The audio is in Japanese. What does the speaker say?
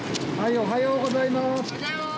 おはようございます。